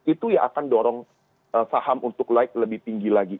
itu yang akan dorong saham untuk like lebih tinggi lagi